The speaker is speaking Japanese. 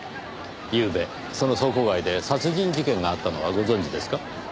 ゆうべその倉庫街で殺人事件があったのはご存じですか？